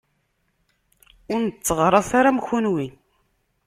Ur netteɣraṣ ara am kenwi.